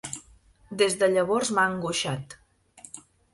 Des de llavors m'ha angoixat.